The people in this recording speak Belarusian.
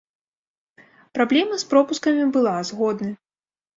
Праблема з пропускамі была, згодны.